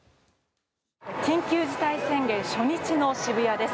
緊急事態宣言初日の渋谷です。